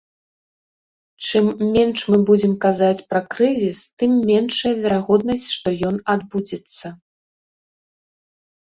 Чым менш мы будзем казаць пра крызіс, тым меншая верагоднасць, што ён адбудзецца.